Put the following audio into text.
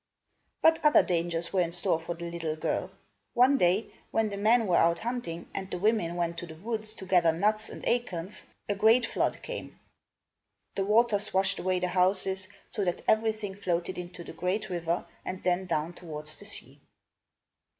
But other dangers were in store for the little girl. One day, when the men were out hunting, and the women went to the woods to gather nuts and acorns, a great flood came. The waters washed away the houses, so that everything floated into the great river, and then down towards the sea.